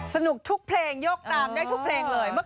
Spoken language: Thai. สนุกทุกเพลงโยกตามได้ทุกเพลงเลย